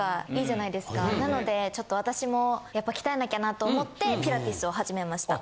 なのでちょっと私もやっぱ鍛えなきゃと思ってピラティスを始めました。